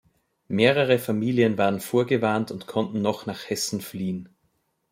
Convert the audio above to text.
Mehrere Familien waren vorgewarnt und konnten noch nach Hessen fliehen.